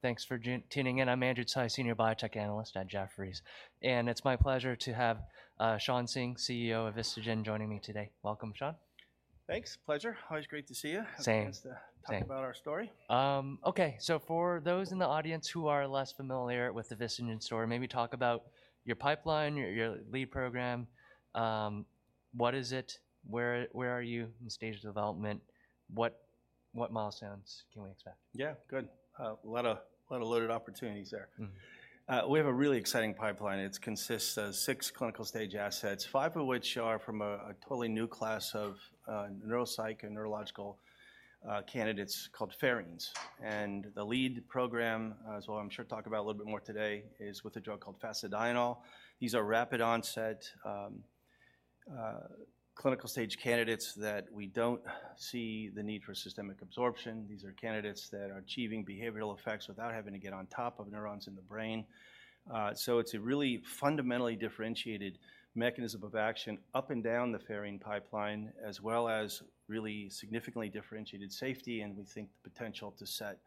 Thanks for tuning in. I'm Andrew Tsai, Senior Biotech Analyst at Jefferies, and it's my pleasure to have Shawn Singh, CEO of Vistagen, joining me today. Welcome, Shawn. Thanks. Pleasure. Always great to see you. Same. Same. A chance to talk about our story. Okay, so for those in the audience who are less familiar with the Vistagen story, maybe talk about your pipeline, your, your lead program. What is it? Where, where are you in stage of development? What, what milestones can we expect? Yeah, good. A lot of, lot of loaded opportunities there. Mm-hmm. We have a really exciting pipeline. It consists of six clinical stage assets, five of which are from a totally new class of neuropsych and neurological candidates called Pherines. The lead program, as well, I'm sure talk about a little bit more today, is with a drug called fasedienol. These are rapid onset clinical stage candidates that we don't see the need for systemic absorption. These are candidates that are achieving behavioral effects without having to get on top of neurons in the brain. So it's a really fundamentally differentiated mechanism of action up and down the Pherine pipeline, as well as really significantly differentiated safety, and we think the potential to set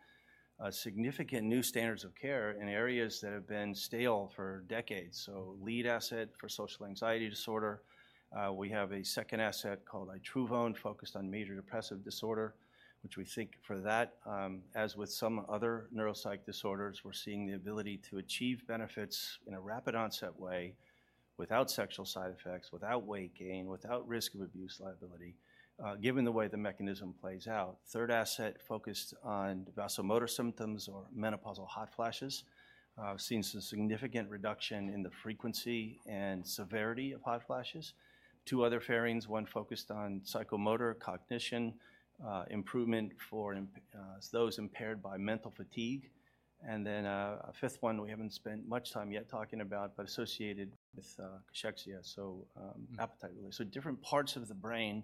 significant new standards of care in areas that have been stale for decades. Lead asset for social anxiety disorder. We have a second asset called itruvone, focused on major depressive disorder, which we think for that, as with some other neuropsych disorders, we're seeing the ability to achieve benefits in a rapid onset way, without sexual side effects, without weight gain, without risk of abuse liability, given the way the mechanism plays out. Third asset focused on vasomotor symptoms or menopausal hot flashes. We've seen some significant reduction in the frequency and severity of hot flashes. Two other Pherines, one focused on psychomotor cognition, improvement for those impaired by mental fatigue. And then, a fifth one we haven't spent much time yet talking about, but associated with cachexia. Mm... appetite really. So different parts of the brain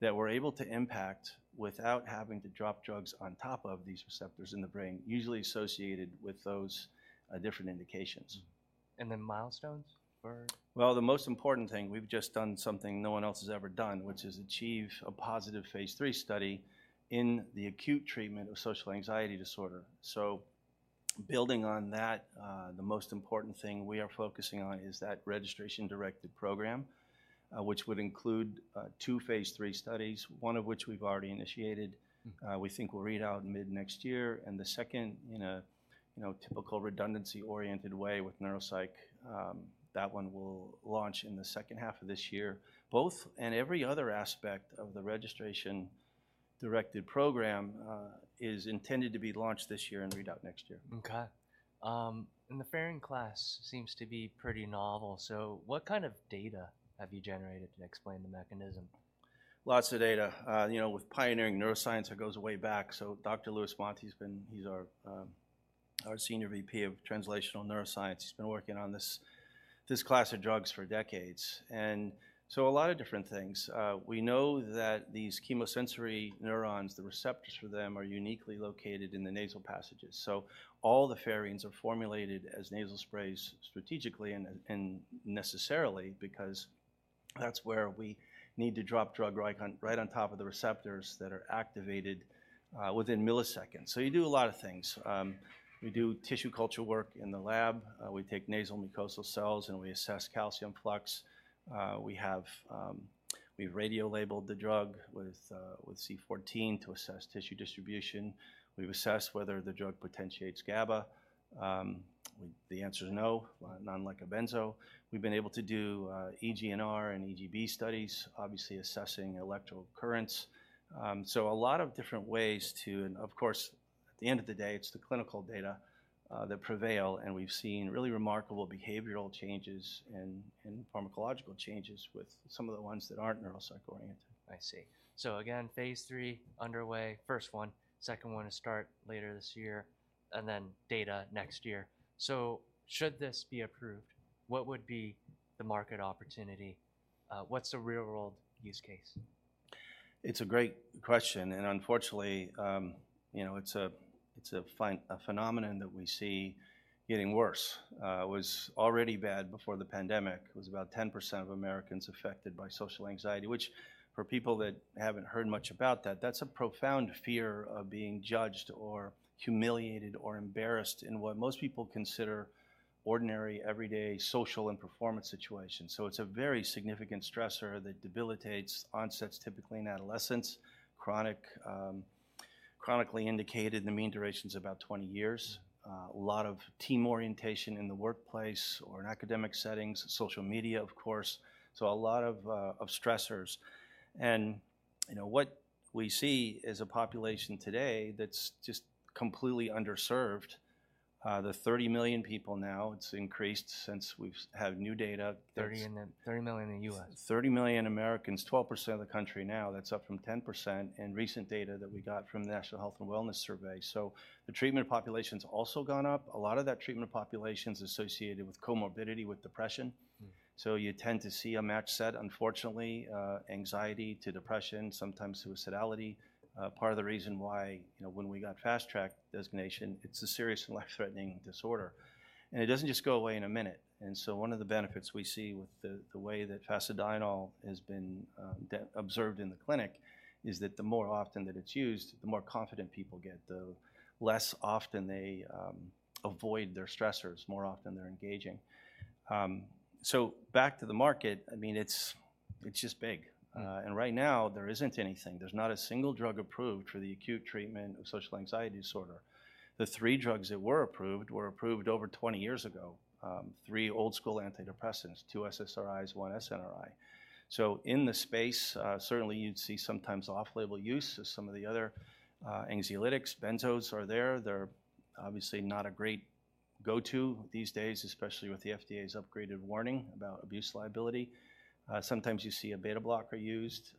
that we're able to impact without having to drop drugs on top of these receptors in the brain, usually associated with those, different indications. Mm. And then milestones for...? Well, the most important thing, we've just done something no one else has ever done, which is achieve a positive phase III study in the acute treatment of social anxiety disorder. So building on that, the most important thing we are focusing on is that registration-directed program, which would include two phase III studies, one of which we've already initiated. Mm. We think will read out mid-next year, and the second, in a, you know, typical redundancy-oriented way with neuropsych, that one will launch in the second half of this year. Both, and every other aspect of the registration-directed program, is intended to be launched this year and read out next year. Okay. And the Pherine class seems to be pretty novel. So what kind of data have you generated to explain the mechanism? Lots of data. You know, with pioneering neuroscience, it goes way back. So Dr. Louis Monti, he's been. He's our Senior VP of Translational Neuroscience. He's been working on this class of drugs for decades, and so a lot of different things. We know that these chemosensory neurons, the receptors for them, are uniquely located in the nasal passages. So all the Pherines are formulated as nasal sprays, strategically and necessarily because that's where we need to drop drug, right on top of the receptors that are activated within milliseconds. So you do a lot of things. We do tissue culture work in the lab. We take nasal mucosal cells, and we assess calcium flux. We've radio-labeled the drug with C-14 to assess tissue distribution. We've assessed whether the drug potentiates GABA. The answer is no, not unlike a benzo. We've been able to do EEG and EMG studies, obviously assessing electrical currents. So a lot of different ways to... And of course, at the end of the day, it's the clinical data that prevail, and we've seen really remarkable behavioral changes and pharmacological changes with some of the ones that aren't neuropsych-oriented. I see. So again, phase III underway, first one. Second one is start later this year, and then data next year. So should this be approved, what would be the market opportunity? What's the real-world use case? It's a great question, and unfortunately, you know, it's a phenomenon that we see getting worse. It was already bad before the pandemic. It was about 10% of Americans affected by social anxiety, which for people that haven't heard much about that, that's a profound fear of being judged or humiliated or embarrassed in what most people consider ordinary, everyday social and performance situations. So it's a very significant stressor that debilitates, onsets typically in adolescence, chronic, chronically indicated, the mean duration's about 20 years. A lot of team orientation in the workplace or in academic settings, social media, of course, so a lot of stressors. And, you know, what we see is a population today that's just completely underserved. The 30 million people now, it's increased since we've had new data, it's- 30 million in the U.S. 30 million Americans, 12% of the country now, that's up from 10% in recent data that we got from the National Health and Wellness Survey. So the treatment population's also gone up. A lot of that treatment population's associated with comorbidity with depression. Mm. So you tend to see a match set, unfortunately, anxiety to depression, sometimes suicidality. Part of the reason why, you know, when we got Fast Track designation, it's a serious and life-threatening disorder, and it doesn't just go away in a minute. And so one of the benefits we see with the, the way that fasedienol has been de-risked in the clinic is that the more often that it's used, the more confident people get, the less often they avoid their stressors, more often they're engaging. So back to the market, I mean, it's... It's just big. And right now, there isn't anything. There's not a single drug approved for the acute treatment of social anxiety disorder. The three drugs that were approved were approved over 20 years ago, three old-school antidepressants, two SSRIs, one SNRI. So in this space, certainly you'd see sometimes off-label use of some of the other, anxiolytics. Benzos are there. They're obviously not a great go-to these days, especially with the FDA's upgraded warning about abuse liability. Sometimes you see a beta blocker used,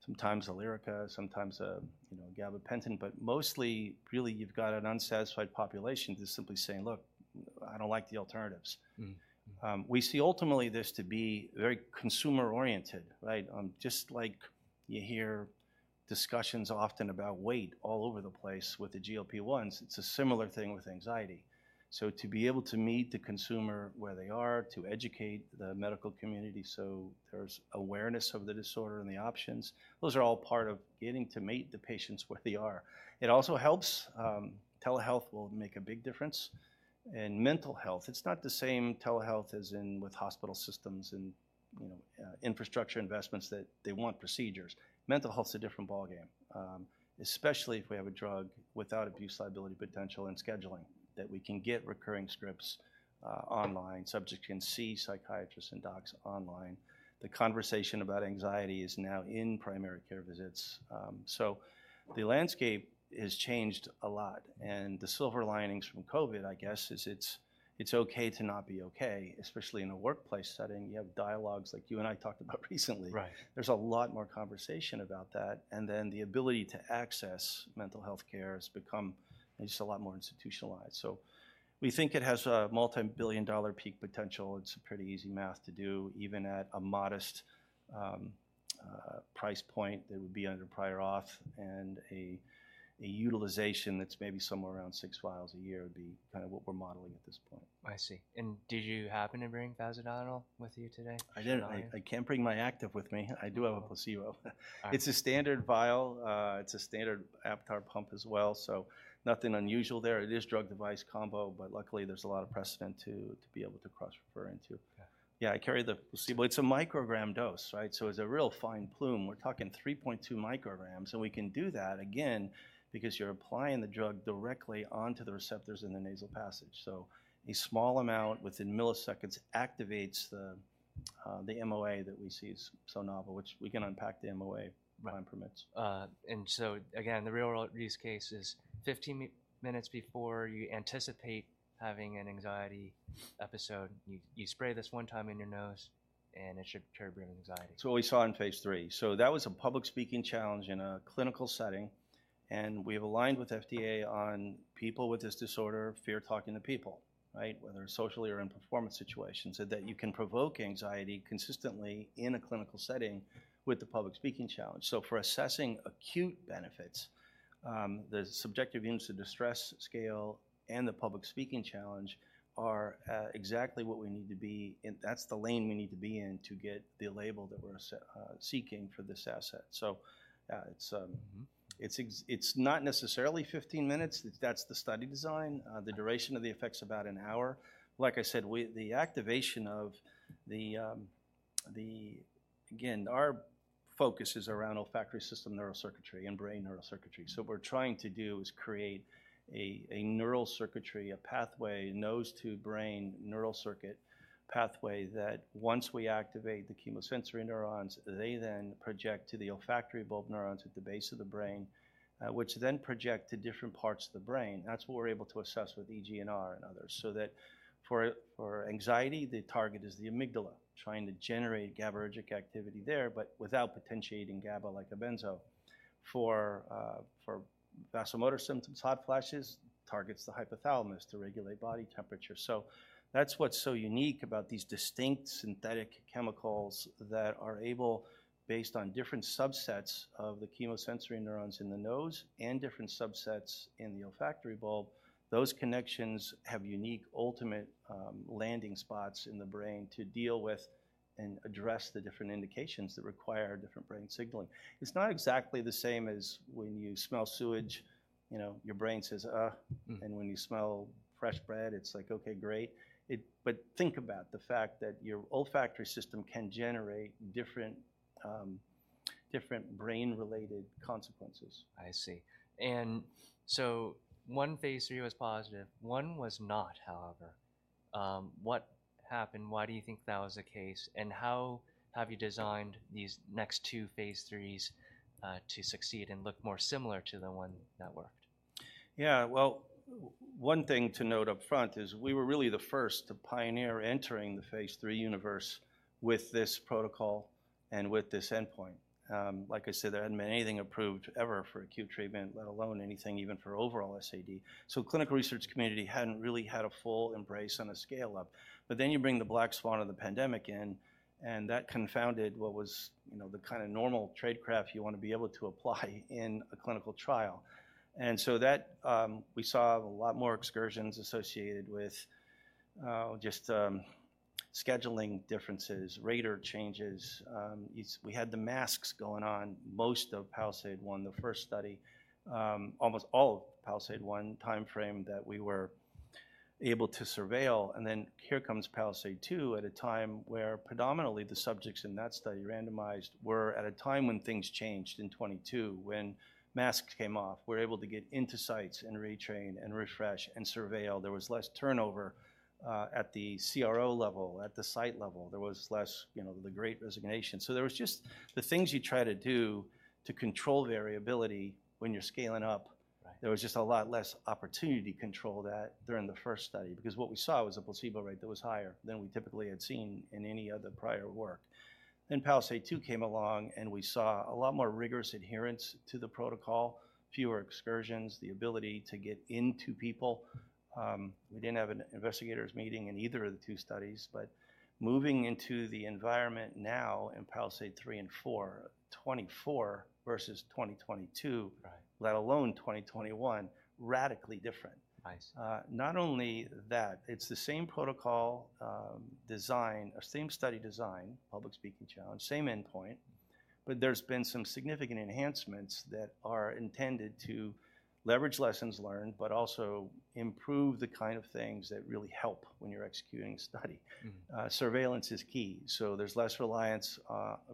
sometimes a Lyrica, sometimes a, you know, gabapentin, but mostly really you've got an unsatisfied population just simply saying: "Look, I don't like the alternatives. Mm-hmm. We see ultimately this to be very consumer oriented, right? Just like you hear discussions often about weight all over the place with the GLP-1s, it's a similar thing with anxiety. So to be able to meet the consumer where they are, to educate the medical community so there's awareness of the disorder and the options, those are all part of getting to meet the patients where they are. It also helps, telehealth will make a big difference. In mental health, it's not the same telehealth as in with hospital systems and, you know, infrastructure investments that they want procedures. Mental health's a different ballgame, especially if we have a drug without abuse liability potential and scheduling, that we can get recurring scripts, online, subjects can see psychiatrists and docs online. The conversation about anxiety is now in primary care visits. So the landscape has changed a lot, and the silver linings from COVID, I guess, is it's okay to not be okay, especially in a workplace setting. You have dialogues like you and I talked about recently. Right. There's a lot more conversation about that, and then the ability to access mental health care has become just a lot more institutionalized. So we think it has a multi-billion dollar peak potential. It's pretty easy math to do, even at a modest price point that would be under prior auth and a utilization that's maybe somewhere around six fills a year would be kind of what we're modeling at this point. I see. And did you happen to bring fasedienol with you today? I didn't. No. I can't bring my active with me. I do have a placebo. All right. It's a standard vial. It's a standard Aptar pump as well, so nothing unusual there. It is drug device combo, but luckily there's a lot of precedent to be able to cross-refer into. Yeah. Yeah, I carry the placebo. It's a microgram dose, right? So it's a real fine plume. We're talking 3.2 micrograms, and we can do that, again, because you're applying the drug directly onto the receptors in the nasal passage. So a small amount within milliseconds activates the MOA that we see is so novel, which we can unpack the MOA- Right. -time permits. And so again, the real-world use case is 15 minutes before you anticipate having an anxiety episode, you spray this one time in your nose, and it should curb your anxiety. It's what we saw in phase III. So that was a public speaking challenge in a clinical setting, and we've aligned with FDA on people with this disorder fear talking to people, right? Whether socially or in performance situations, so that you can provoke anxiety consistently in a clinical setting with the public speaking challenge. So for assessing acute benefits, the Subjective Units of Distress Scale and the public speaking challenge are exactly what we need to be... And that's the lane we need to be in to get the label that we're seeking for this asset. So, it's Mm-hmm. It's not necessarily 15 minutes. That's the study design. The duration of the effect's about an hour. Like I said, the activation of the. Again, our focus is around olfactory system neural circuitry and brain neural circuitry. So what we're trying to do is create a, a neural circuitry, a pathway, nose to brain neural circuit pathway, that once we activate the chemosensory neurons, they then project to the olfactory bulb neurons at the base of the brain, which then project to different parts of the brain. That's what we're able to assess with EEG and others. So that for anxiety, the target is the amygdala, trying to generate GABAergic activity there, but without potentiating GABA like a benzo. For vasomotor symptoms, hot flashes, targets the hypothalamus to regulate body temperature. So that's what's so unique about these distinct synthetic chemicals that are able, based on different subsets of the chemosensory neurons in the nose and different subsets in the olfactory bulb, those connections have unique ultimate landing spots in the brain to deal with and address the different indications that require different brain signaling. It's not exactly the same as when you smell sewage, you know, your brain says, "Ugh. Mm-hmm. When you smell fresh bread, it's like, "Okay, great." But think about the fact that your olfactory system can generate different, different brain-related consequences. I see. And so one Phase III was positive, one was not, however. What happened? Why do you think that was the case, and how have you designed these next two Phase IIIs to succeed and look more similar to the one that worked? Yeah, well, one thing to note upfront is we were really the first to pioneer entering the phase III universe with this protocol and with this endpoint. Like I said, there hadn't been anything approved ever for acute treatment, let alone anything even for overall SAD. So clinical research community hadn't really had a full embrace on a scale-up. But then you bring the black swan of the pandemic in, and that confounded what was, you know, the kind of normal tradecraft you want to be able to apply in a clinical trial. And so that, we saw a lot more excursions associated with just scheduling differences, rater changes. We had the masks going on most of PALISADE-I, the first study, almost all of PALISADE-I timeframe that we were-... able to surveil, and then here comes PALISADE II at a time where predominantly the subjects in that study randomized were at a time when things changed in 2022, when masks came off. We're able to get into sites and retrain, and refresh, and surveil. There was less turnover at the CRO level, at the site level. There was less, you know, the great resignation. So there was just the things you try to do to control variability when you're scaling up- Right. There was just a lot less opportunity to control that during the first study, because what we saw was a placebo rate that was higher than we typically had seen in any other prior work. Then PALISADE II came along, and we saw a lot more rigorous adherence to the protocol, fewer excursions, the ability to get into people. We didn't have an investigators meeting in either of the two studies, but moving into the environment now in PALISADE III and IV, 2024 versus 2022- Right... let alone 2021, radically different. I see. Not only that, it's the same protocol, design, or same study design, public speaking challenge, same endpoint, but there's been some significant enhancements that are intended to leverage lessons learned, but also improve the kind of things that really help when you're executing a study. Mm-hmm. Surveillance is key, so there's less reliance.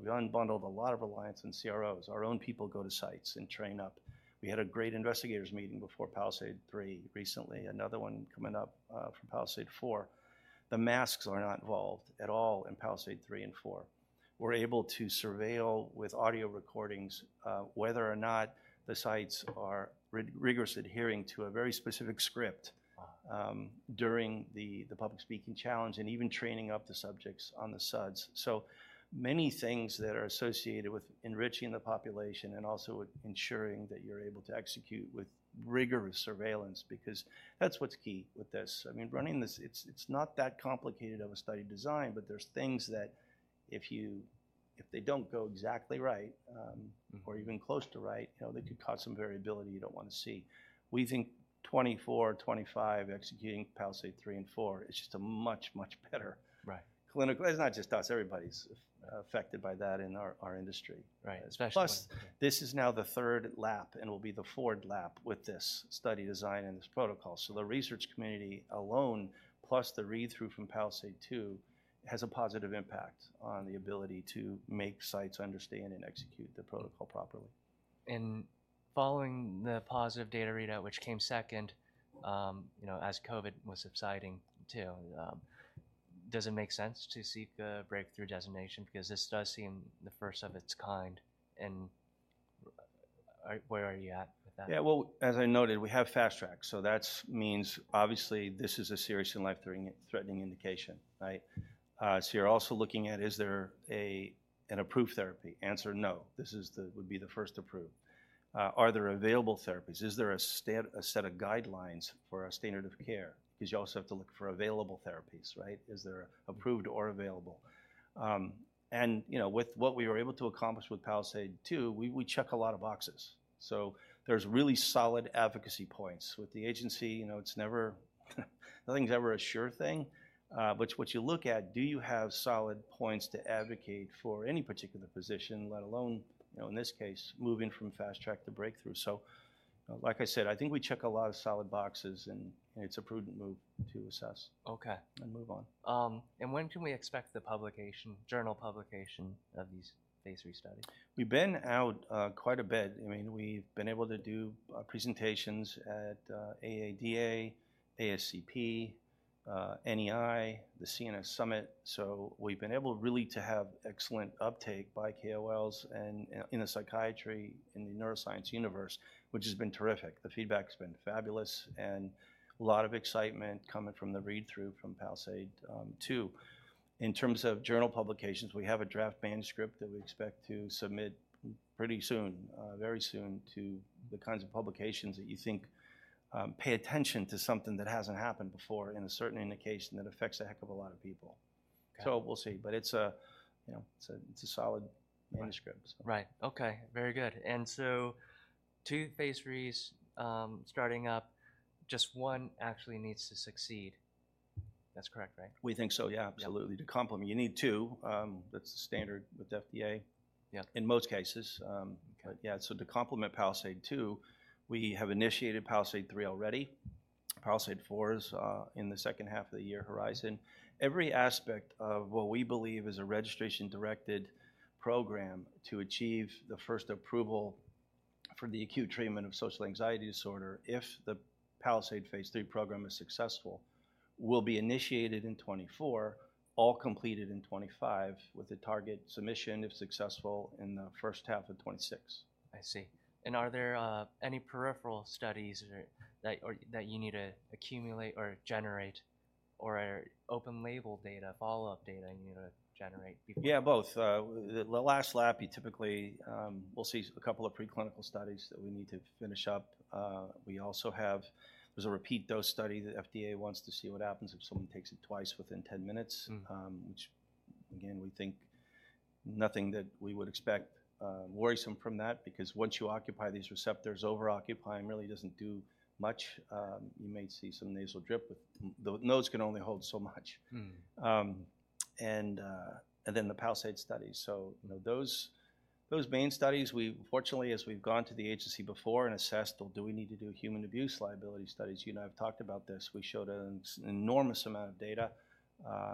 We unbundled a lot of reliance on CROs. Our own people go to sites and train up. We had a great investigators meeting before PALISADE-III recently, another one coming up for PALISADE-IV. The masks are not involved at all in PALISADE-III and PALISADE-IV. We're able to surveil with audio recordings whether or not the sites are rigorously adhering to a very specific script- Wow... during the public speaking challenge, and even training up the subjects on the SUDS. So many things that are associated with enriching the population and also with ensuring that you're able to execute with rigorous surveillance, because that's what's key with this. I mean, running this, it's not that complicated of a study design, but there's things that if they don't go exactly right. Mm-hmm... or even close to right, you know, they do cause some variability you don't wanna see. We think 2024, 2025, executing PALISADE III and IV is just a much, much better- Right... clinical. It's not just us, everybody's affected by that in our industry. Right, especially- Plus, this is now the third lap and will be the fourth lap with this study design and this protocol. So the research community alone, plus the read-through from PALISADE II, has a positive impact on the ability to make sites understand and execute the protocol properly. In following the positive data readout, which came second, you know, as COVID was subsiding too, does it make sense to seek a breakthrough designation? Because this does seem the first of its kind, and where are you at with that? Yeah, well, as I noted, we have Fast Track, so that means obviously this is a serious and life-threatening indication, right? So you're also looking at, is there an approved therapy? Answer, no. This would be the first approved. Are there available therapies? Is there a set of guidelines for a standard of care? Because you also have to look for available therapies, right? Is there approved or available? And, you know, with what we were able to accomplish with PALISADE-2, we check a lot of boxes. So there's really solid advocacy points. With the agency, you know, it's never, nothing's ever a sure thing. But what you look at, do you have solid points to advocate for any particular position, let alone, you know, in this case, moving from Fast Track to breakthrough? So, like I said, I think we check a lot of solid boxes, and it's a prudent move to assess- Okay... and move on. When can we expect the publication, journal publication of these Phase III studies? We've been out, quite a bit. I mean, we've been able to do, presentations at, ADAA, ASCP, NEI, the CNS Summit. So we've been able really to have excellent uptake by KOLs and, in the psychiatry, in the neuroscience universe, which has been terrific. The feedback's been fabulous, and a lot of excitement coming from the read-through from PALISADE II. In terms of journal publications, we have a draft manuscript that we expect to submit pretty soon, very soon, to the kinds of publications that you think, pay attention to something that hasn't happened before in a certain indication that affects a heck of a lot of people. Okay. So we'll see, but you know, it's a solid manuscript. Right. Okay, very good. And so two phase III's starting up, just one actually needs to succeed. That's correct, right? We think so, yeah, absolutely. Yeah. To complement, you need two, that's the standard with the FDA- Yeah... in most cases. Yeah, so to complement PALISADE II, we have initiated PALISADE III already. PALISADE IV is in the second half of the year horizon. Every aspect of what we believe is a registration-directed program to achieve the first approval for the acute treatment of social anxiety disorder, if the PALISADE phase III program is successful, will be initiated in 2024, all completed in 2025, with a target submission, if successful, in the first half of 2026. I see. And are there any peripheral studies or that you need to accumulate or generate, or open label data, follow-up data you need to generate before? Yeah, both. The last lap, you typically, we'll see a couple of preclinical studies that we need to finish up. We also have... There's a repeat dose study. The FDA wants to see what happens if someone takes it twice within 10 minutes. Mm-hmm... which again, we think nothing that we would expect worrisome from that, because once you occupy these receptors, over-occupying really doesn't do much. You may see some nasal drip, but the nose can only hold so much. Mm. The PALISADE study. So, you know, those main studies, we fortunately, as we've gone to the agency before and assessed, well, do we need to do human abuse liability studies? You and I have talked about this. We showed an enormous amount of data.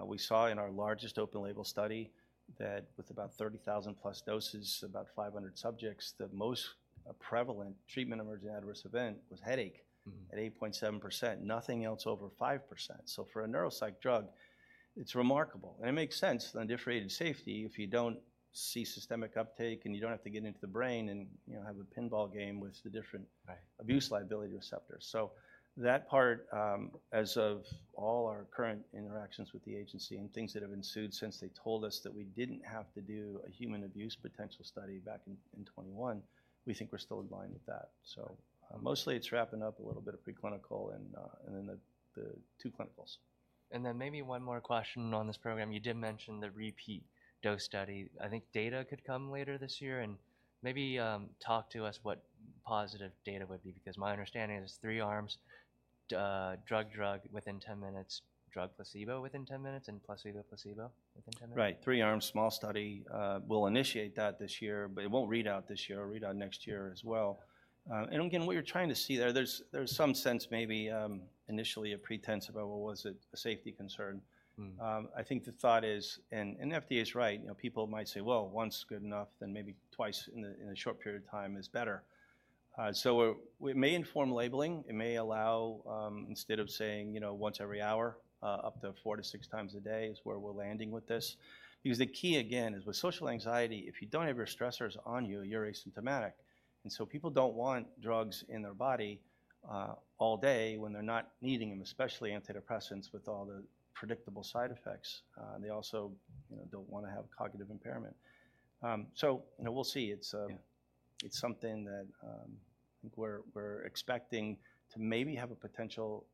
We saw in our largest open label study that with about 30,000+ doses, about 500 subjects, the most prevalent treatment-emergent adverse event was headache- Mm-hmm. at 8.7%. Nothing else over 5%. So for a neuropsych drug, it's remarkable, and it makes sense, the differentiated safety, if you don't see systemic uptake, and you don't have to get into the brain and, you know, have a pinball game with the different- Right... abuse liability receptors. So that part, as of all our current interactions with the agency and things that have ensued since they told us that we didn't have to do a human abuse potential study back in 2021, we think we're still in line with that. Right. Mostly, it's wrapping up a little bit of preclinical and then the two clinicals. And then maybe one more question on this program. You did mention the repeat dose study. I think data could come later this year, and maybe, talk to us what positive data would be, because my understanding is there's three arms, drug, drug within 10 minutes, drug placebo within 10 minutes, and placebo, placebo within 10 minutes. Right. Three-arm small study. We'll initiate that this year, but it won't read out this year. It'll read out next year as well. And again, what you're trying to see there, there's some sense maybe initially a pretense about what was it, a safety concern. Mm. I think the thought is, FDA's right, you know, people might say, "Well, once is good enough, then maybe twice in a short period of time is better." So, we may inform labeling. It may allow, instead of saying, you know, once every hour, up to four-six times a day is where we're landing with this. Because the key again is with social anxiety, if you don't have your stressors on you, you're asymptomatic, and so people don't want drugs in their body all day when they're not needing them, especially antidepressants, with all the predictable side effects. They also, you know, don't wanna have cognitive impairment. So, you know, we'll see. It's Yeah... it's something that we're expecting to maybe have a potential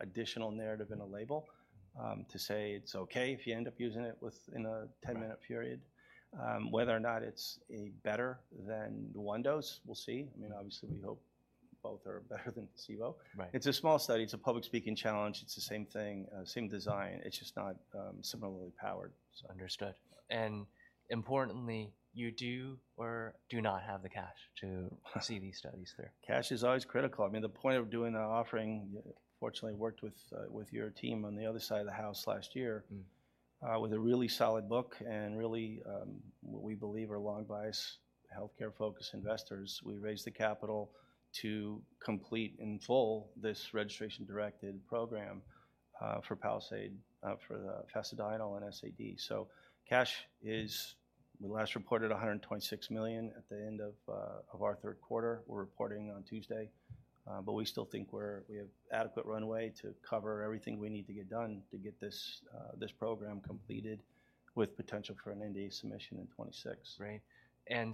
additional narrative in a label to say it's okay if you end up using it within a 10-minute period. Right. Whether or not it's a better than one dose, we'll see. I mean, obviously, we hope both are better than placebo. Right. It's a small study. It's a public speaking challenge. It's the same thing, same design. It's just not similarly powered. Understood. And importantly, you do or do not have the cash to-... see these studies through? Cash is always critical. I mean, the point of doing an offering, fortunately, worked with, with your team on the other side of the house last year- Mm... with a really solid book and really, what we believe are long bias, healthcare-focused investors. We raised the capital to complete in full this registration-directed program, for PALISADE, for the fasedienol and SAD. So cash is, we last reported $126 million at the end of our third quarter. We're reporting on Tuesday, but we still think we have adequate runway to cover everything we need to get done to get this program completed with potential for an NDA submission in 2026. Great.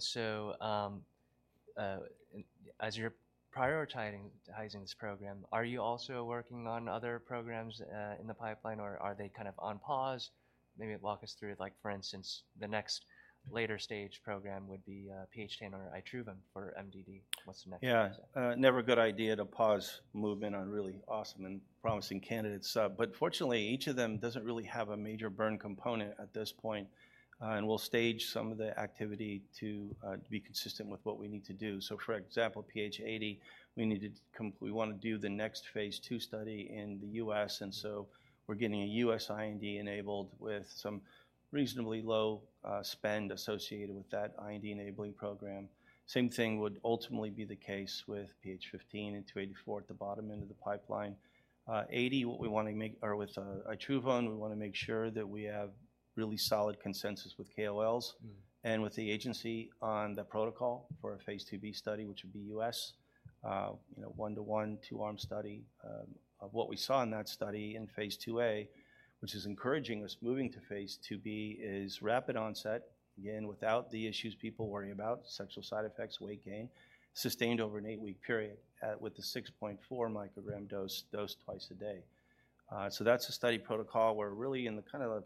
So, as you're prioritizing this program, are you also working on other programs in the pipeline, or are they kind of on pause? Maybe walk us through, like, for instance, the next later stage program would be PH10 or itruvone for MDD. What's the next? Yeah. Never a good idea to pause movement on really awesome and promising candidates. But fortunately, each of them doesn't really have a major burn component at this point, and we'll stage some of the activity to be consistent with what we need to do. So for example, PH80, we need to—we wanna do the next phase II study in the US, and so we're getting a US IND enabled with some reasonably low spend associated with that IND-enabling program. Same thing would ultimately be the case with PH15 and PH284 at the bottom end of the pipeline. Or with itruvone, we wanna make sure that we have really solid consensus with KOLs- Mm... and with the agency on the protocol for a phase II-B study, which would be US. You know, one-to-one, two-arm study. What we saw in that study in phase II-A, which is encouraging us moving to phase II-B, is rapid onset, again, without the issues people worry about, sexual side effects, weight gain, sustained over an eight-week period, with the 6.4 microgram dose, dosed twice a day. So that's the study protocol. We're really in the kind of,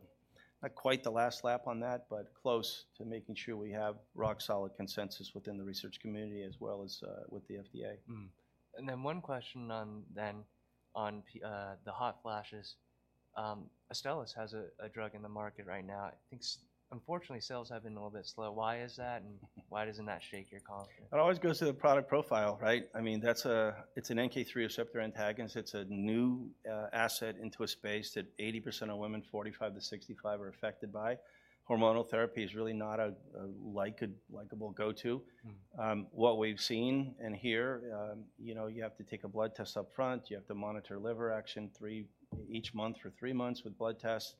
not quite the last lap on that, but close to making sure we have rock-solid consensus within the research community as well as with the FDA. And then one question on the hot flashes. Astellas has a drug in the market right now. I think unfortunately, sales have been a little bit slow. Why is that, and why doesn't that shake your confidence? It always goes to the product profile, right? I mean, that's, it's an NK3 receptor antagonist. It's a new, asset into a space that 80% of women, 45-65, are affected by. Hormonal therapy is really not a liked, likable go-to. Mm. What we've seen in here, you know, you have to take a blood test up front, you have to monitor liver function each month for three months with blood tests.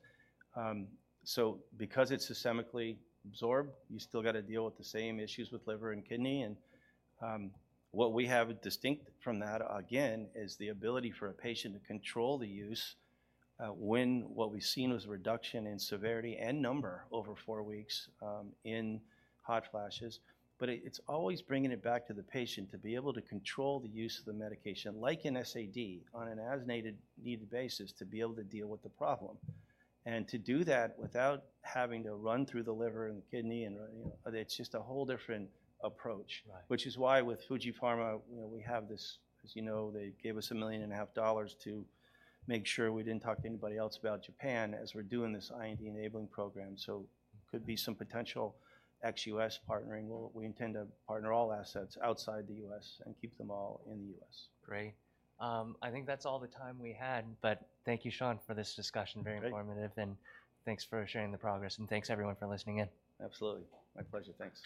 So because it's systemically absorbed, you still gotta deal with the same issues with liver and kidney. And what we have distinct from that, again, is the ability for a patient to control the use, when what we've seen was a reduction in severity and number over four weeks in hot flashes. But it's always bringing it back to the patient to be able to control the use of the medication, like in SAD, on an as needed basis, to be able to deal with the problem. And to do that without having to run through the liver and the kidney and, you know, it's just a whole different approach. Right. Which is why with Fuji Pharma, you know, we have this... As you know, they gave us $1.5 million to make sure we didn't talk to anybody else about Japan as we're doing this IND-enabling program. So could be some potential ex U.S. partnering. Well, we intend to partner all assets outside the U.S. and keep them all in the U.S. Great. I think that's all the time we had, but thank you, Shawn, for this discussion. Great. Very informative, and thanks for sharing the progress, and thanks everyone for listening in. Absolutely. My pleasure. Thanks.